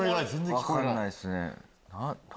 分かんないっすね。